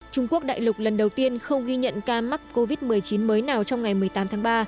trung quốc đại lục lần đầu tiên không ghi nhận ca mắc covid một mươi chín mới nào trong ngày một mươi tám tháng ba